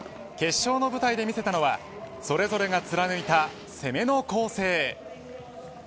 決勝の舞台で見せたのはそれぞれが見せた攻めの構成。